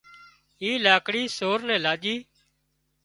اي لاڪڙي سور نين لاڄي